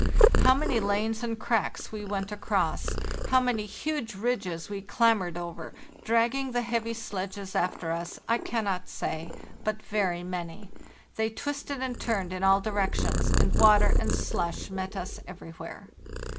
How many lanes and cracks we went across, how many huge ridges we clambered over, dragging the heavy sledges after us, I cannot say, but very many. They twisted and turned in all directions, and water and slush met us everywhere.